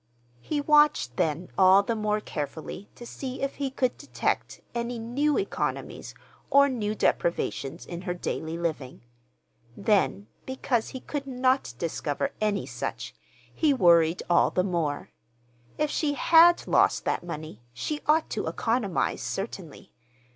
He watched then all the more carefully to see if he could detect any new economies or new deprivations in her daily living. Then, because he could not discover any such, he worried all the more: if she had lost that money, she ought to economize, certainly.